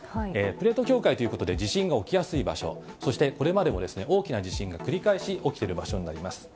プレート境界ということで地震が起きやすい場所、そして、これまでも大きな地震が繰り返し起きている場所になります。